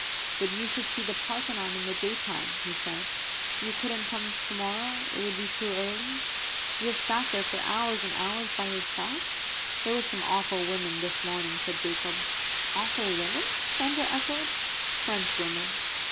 "But you should see the Parthenon in the day time," he said. "You couldn't come to morrow it would be too early?" "You have sat there for hours and hours by yourself?" "There were some awful women this morning," said Jacob. "Awful women?" Sandra echoed. "Frenchwomen."